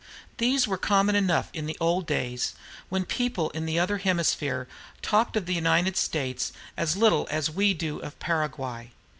These were common enough in the old days, when people in the other hemisphere talked of the United States as little as we do of Paraguay.